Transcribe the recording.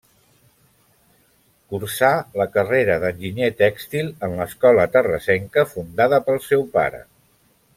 Cursà la carrera d'enginyer tèxtil en l'escola terrassenca fundada pel seu pare.